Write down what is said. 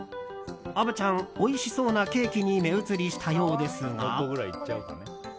虻ちゃんおいしそうなケーキに目移りしたようですが。